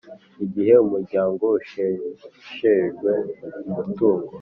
Igihe umuryango usheshejwe umutungo